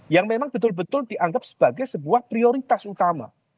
yang memang betul betul dianggap sebagai sebuah prioritas utama